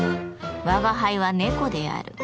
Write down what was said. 吾輩は猫である。